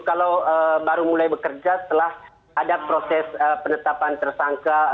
kalau baru mulai bekerja setelah ada proses penetapan tersangka